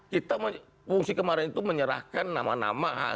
kita fungsi kemarin itu menyerahkan nama nama